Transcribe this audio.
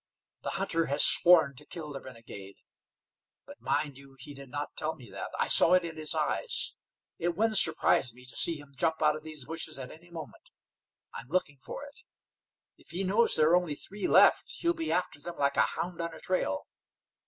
The hunter has sworn to kill the renegade; but, mind you, he did not tell me that. I saw it in his eyes. It wouldn't surprise me to see him jump out of these bushes at any moment. I'm looking for it. If he knows there are only three left, he'll be after them like a hound on a trail.